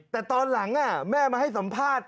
แต่ตอนหลังแม่มาให้สัมภาษณ์